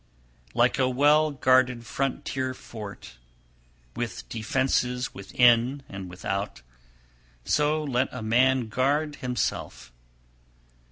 315. Like a well guarded frontier fort, with defences within and without, so let a man guard himself.